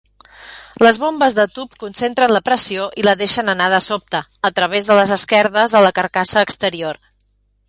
Les bombes de tub concentren la pressió i la deixen anar de sobte, a través de les esquerdes de la carcassa exterior.